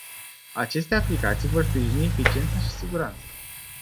Aceste aplicații vor sprijini eficiența și siguranța.